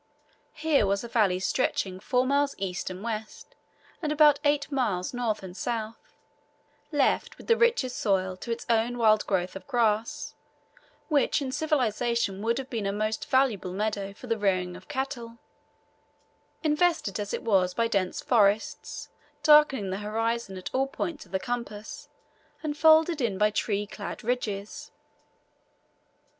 Here was a valley stretching four miles east and west, and about eight miles north and south, left with the richest soil to its own wild growth of grass which in civilization would have been a most valuable meadow for the rearing of cattle invested as it was by dense forests, darkening the horizon at all points of the compass, and folded in by tree clad ridges.